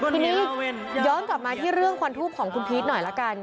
ทีนี้ย้อนกลับมาที่เรื่องควันทูปของคุณพีชหน่อยละกัน